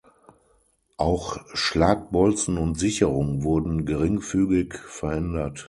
Auch Schlagbolzen und Sicherung wurden geringfügig verändert.